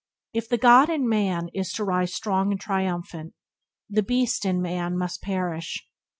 If the God in man is to rise strong and triumphant, the beast in man must perish.